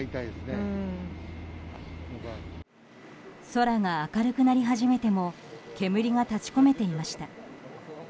空が明るくなり始めても煙が立ち込めていました。